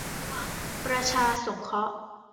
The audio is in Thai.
ประชาสงเคราะห์